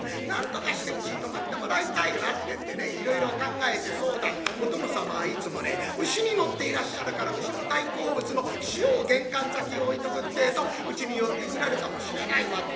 なんとかしてうちに泊まってもらいたいわ」ってんでねいろいろ考えて「そうだお殿様はいつもね牛に乗っていらっしゃるから牛の大好物の塩を玄関先へ置いとくってえとうちに寄ってくれるかもしれないわ」